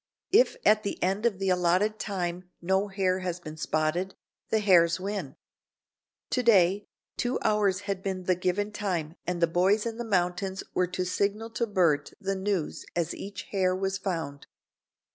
If at the end of the allotted time no hare has been spotted, the hares win. To day two hours had been the given time and the boys in the mountains were to signal to Bert the news as each hare was found.